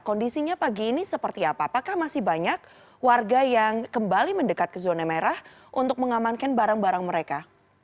kondisinya pagi ini seperti apa apakah masih banyak warga yang kembali mendekat ke zona merah untuk mengamankan barang barang mereka